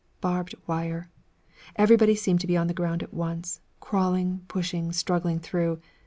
Barbed wire! Everybody seemed to be on the ground at once, crawling, pushing, struggling through.